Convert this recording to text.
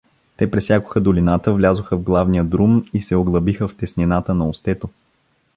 Те пресякоха долината, влязоха в главния друм и се углъбиха в теснината на Устето.